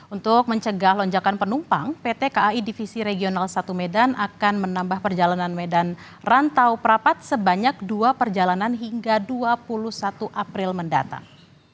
untuk mencegah lonjakan penumpang pt kai divisi regional satu medan akan menambah perjalanan medan rantau perapat sebanyak dua perjalanan hingga dua puluh satu april mendatang